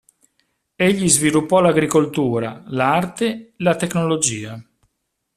Egli sviluppò l'agricoltura, l'arte, la tecnologia.